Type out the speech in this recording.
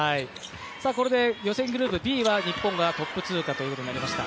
これで予選グループＢは日本がトップ通過ということになりました。